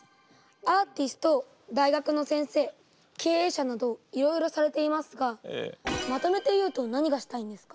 アーティスト大学の先生経営者などいろいろされていますがまとめて言うと何がしたいんですか？